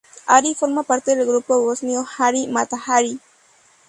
Hari forma parte del grupo bosnio Hari Mata Hari.